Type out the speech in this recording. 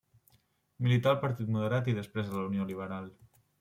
Milità al Partit Moderat i després a la Unió Liberal.